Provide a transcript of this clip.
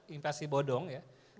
investasi bodong ya